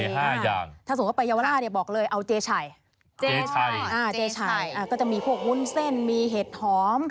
มีแป้งพับลิปสติก